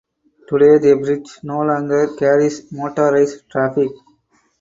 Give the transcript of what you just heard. Today the bridge no longer carries motorised traffic.